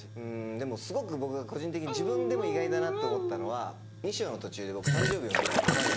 でもすごく僕が個人的に自分でも意外だなって思ったのは２章の途中で僕誕生日を迎えたんですよ。